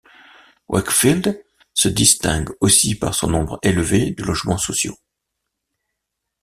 Wakefield se distingue aussi par son nombre élevé de logements sociaux.